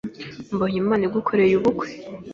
mbonye Imana igukoreye ubukwe,